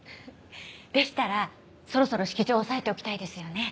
でしたらそろそろ式場を押さえておきたいですよね。